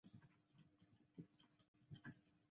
裂萼大乌泡为蔷薇科悬钩子属下的一个变种。